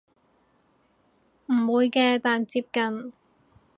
唔會嘅但接近